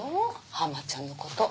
ハマちゃんのこと。